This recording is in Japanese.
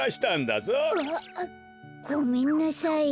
あっごめんなさい。